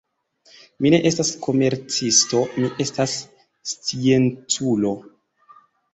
Mi ne estas komercisto; mi estas scienculo.